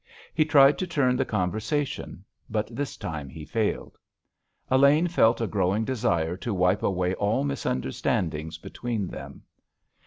He tried to turn the conversation, but this time he failed. Elaine felt a growing desire to wipe away all misunderstandings between them.